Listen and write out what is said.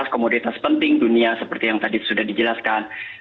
lima komoditas penting dunia seperti yang tadi sudah dijelaskan